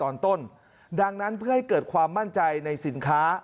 ตอนต้นดังนั้นเพื่อให้เกิดความมั่นใจในสินค้า